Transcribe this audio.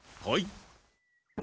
はい。